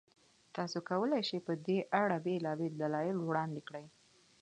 تاسو کولای شئ، په دې اړه بېلابېل دلایل وړاندې کړئ.